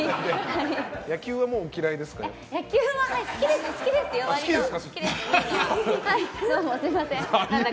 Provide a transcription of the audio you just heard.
野球はもうお嫌いですか？